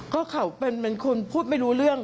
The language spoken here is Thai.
ก็เขาเป็นคนพูดไม่รู้เรื่อง